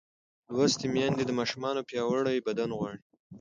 لوستې میندې د ماشوم پیاوړی بدن غواړي.